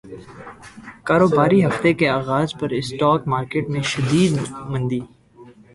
کاروباری ہفتے کے اغاز پر اسٹاک مارکیٹ میں شدید مندی